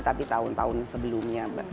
tapi tahun tahun sebelumnya mbak